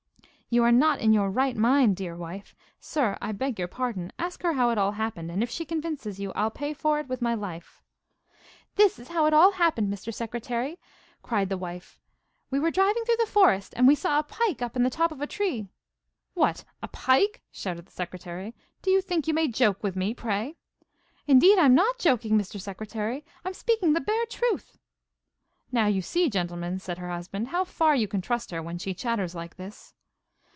'You are not in your right mind, dear wife. Sir, I beg your pardon. Ask her how it all happened, and if she convinces you I'll pay for it with my life.' 'This is how it all happened, Mr. Secretary,' cried the wife. 'We were driving through the forest, and we saw a pike up in the top of a tree ' 'What, a PIKE?' shouted the secretary. 'Do you think you may joke with me, pray?' 'Indeed, I'm not joking, Mr. Secretary! I'm speaking the bare truth.' 'Now you see, gentlemen,' said her husband, 'how far you can trust her, when she chatters like this.